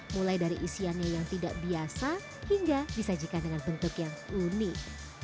mulai dari isiannya yang tidak biasa hingga disajikan dengan bentuk yang unik